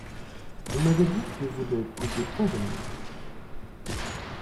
On m’avait dit que vous ne pouviez pas venir.